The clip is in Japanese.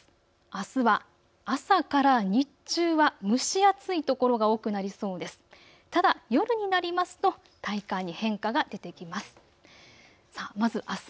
あすは朝から日中は蒸し暑い所が多くなりそうです。